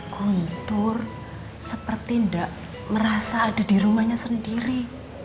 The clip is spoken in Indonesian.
guntur seperti tidak merasa ada di rumahnya sendiri